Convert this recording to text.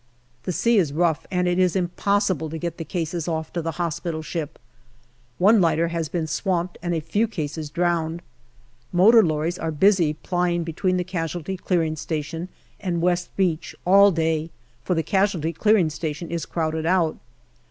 The sea is rough, and it is impossible to get the cases off to the hospital ship. One lighter has been swamped and a few cases drowned. Motor lorries are busy plying between the casualty clearing station and West Beach all day, for the casualty clearing station is crowded out.